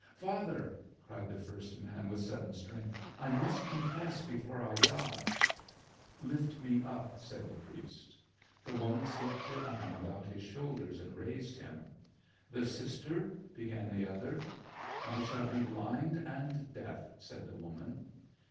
"Father," cried the first man with sudden strength. "I must confess before I die." "Lift me up," said the priest. The woman slipped her arm about his shoulders and raised him. "The sister?" began the other. "I shall be blind and deaf," said the woman.